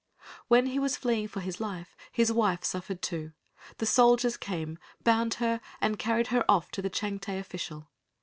While he was fleeing for his life his wife suffered too. The soldiers came, bound her, and carried her off to the Changte official.